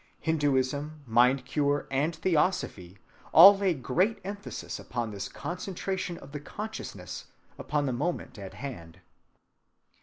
(174) Hinduism, mind‐cure, and theosophy all lay great emphasis upon this concentration of the consciousness upon the moment at hand.